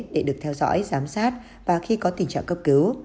để được theo dõi giám sát và khi có tình trạng cấp cứu